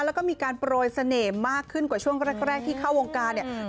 แล้วก็มีการโปรยเสน่ห์มากขึ้นกว่าช่วงแรกที่เข้าวงการเนี่ย